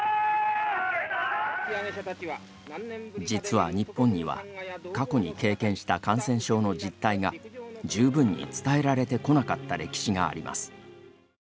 実は、曰本には過去に経験した感染症の実態が十分に伝えられてこなかった歴史があります。